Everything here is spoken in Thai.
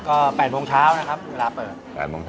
ก็๘โมงเช้านะครับเวลาเปิด